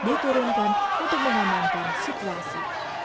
diturunkan untuk menenangkan situasi